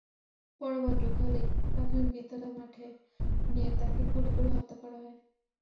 পরে ভদ্রখালি প্রাথমিক বিদ্যালয় মাঠে নিয়ে তাঁকে গুলি করে হত্যা করা হয়।